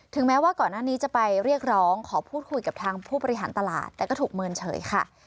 แม้ว่าก่อนหน้านี้จะไปเรียกร้องขอพูดคุยกับทางผู้บริหารตลาดแต่ก็ถูกเมินเฉยค่ะ